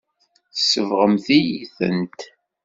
Tsebɣemt-iyi-tent.